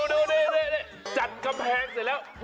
นี่จัดกำแพงเสร็จแล้ว